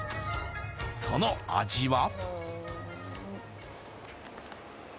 その味は？